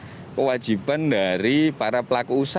juga diatur kewajiban dari para pelaku usaha